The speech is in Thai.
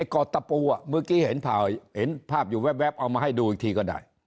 กอดตะปูเมื่อกี้เห็นภาพอยู่แว๊บเอามาให้ดูอีกทีก็ได้